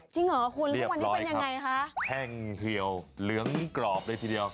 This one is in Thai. จริงเหรอคุณแล้ววันนี้เป็นยังไงคะแห้งเหี่ยวเหลืองกรอบเลยทีเดียว